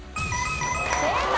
正解！